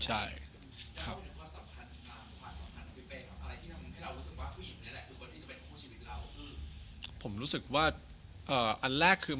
จะรักเธอเพียงคนเดียว